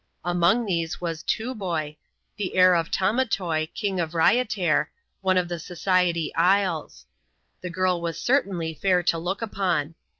Among these was Tooboi, the heir of Tamatoy, King of Raiatair, one of the Society Isles. The girl was certainly fair to look upon.